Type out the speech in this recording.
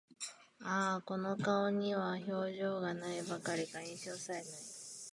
ああ、この顔には表情が無いばかりか、印象さえ無い